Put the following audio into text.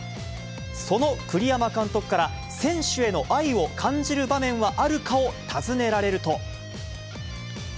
その栗山監督から、選手への愛を感じる場面はあるかを尋ねられると。